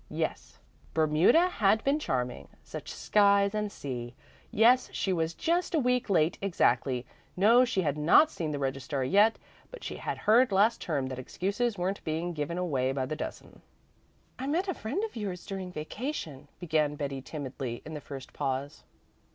Yes, Bermuda had been charming, such skies and seas. Yes, she was just a week late exactly. No, she had not seen the registrar yet, but she had heard last term that excuses weren't being given away by the dozen. "I met a friend of yours during vacation," began Betty timidly in the first pause.